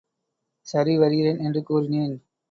சரிவருகிறேன் என்று கூறினேன்.